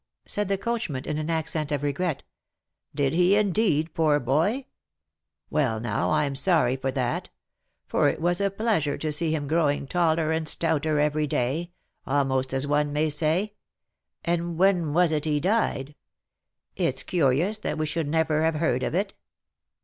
said the coachman, in an accent of regret. "Did he indeed, poor boy ? Well now, I'm sorry for that; for it was a pleasure to see him growing taller and stouter every day, almost, as 318 LIFE AND ADVENTURES one may say. And when was it he died ? It's curious that we should never have heard of it."